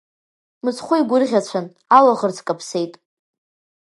Мыцхәы игәырӷьацәан, алаӷырӡ каԥсеит.